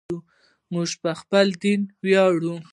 موږ په خپل دین ویاړو.